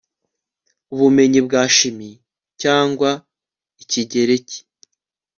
ubumenyi bwa chimie cyangwa ikigereki